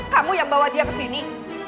kamu yang bawa dia kesini